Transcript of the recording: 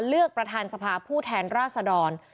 เลือกประธานสภาผู้แทนราษดร